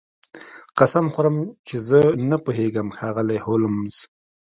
قسم خورم چې زه نه پوهیږم ښاغلی هولمز